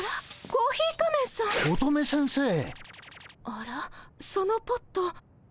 あらそのポット。